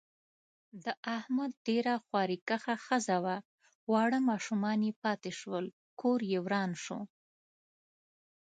د احمد ډېره خواریکښه ښځه وه، واړه ماشومان یې پاتې شول. کوریې وران شو.